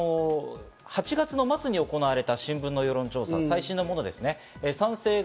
８月末に行われた新聞の世論調査、最新のものです。